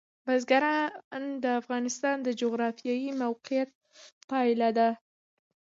بزګان د افغانستان د جغرافیایي موقیعت پایله ده.